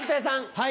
はい。